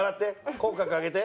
口角上げて。